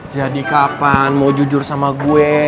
kapan mau jujur sama gue